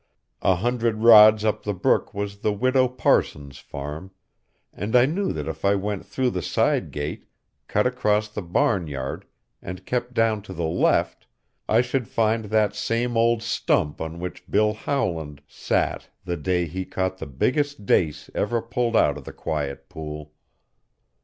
A hundred rods up the brook was the Widow Parsons's farm, and I knew that if I went through the side gate, cut across the barnyard, and kept down to the left, I should find that same old stump on which Bill Howland sat the day he caught the biggest dace ever pulled out of the quiet pool.